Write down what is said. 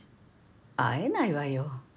会えないわよ。